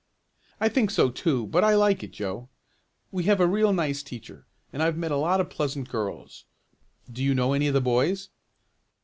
"I think so too, but I like it, Joe. We have a real nice teacher, and I've met a lot of pleasant girls. Do you know any of the boys?"